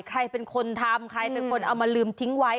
ใครเป็นคนทำใครเป็นคนเอามาลืมทิ้งไว้